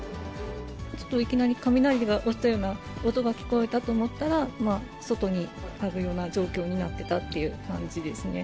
ちょっといきなり、雷が落ちたような音が聞こえたと思ったら、外にあるような状況になってたっていう感じですね。